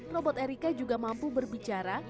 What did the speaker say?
robot erika juga mampu berbicara